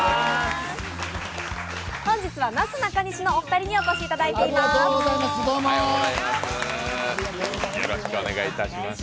本日はなすなかにしのお二人にお越しいただいています。